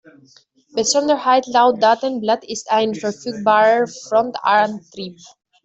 Besonderheit laut Datenblatt ist ein verfügbarer Frontantrieb.